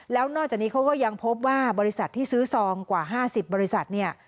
แล้วนอกจากนี้เขาก็ยังพบว่าบริษัทที่ซื้อซองกว่า๕๐บริษัทเนี่ย